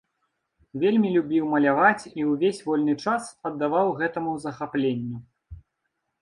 Вельмі любіў маляваць і ўвесь вольны час аддаваў гэтаму захапленню.